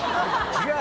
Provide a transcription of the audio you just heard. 違う！